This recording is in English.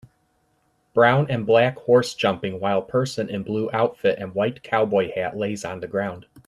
Brown and black horse jumping while person in blue outfit and white cowboy hat lays on the ground